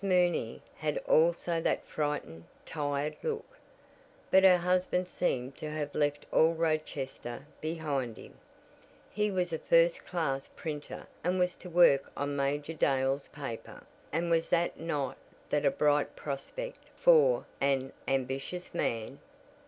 Mooney had also that frightened, tired look, but her husband seemed to have left all Rochester behind him. He was a first class printer and was to work on Major Dale's paper, and was not that a bright prospect for an ambitious man?